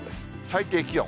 最低気温。